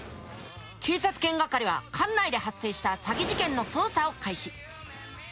警察犬係は管内で発生した詐欺事件の捜査を開始。